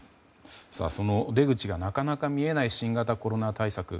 その出口がなかなか見えない新型コロナ対策。